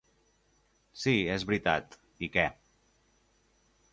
Sí, és veritat, i què?